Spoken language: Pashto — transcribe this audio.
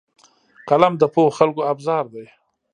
قلم د پوهو خلکو ابزار دی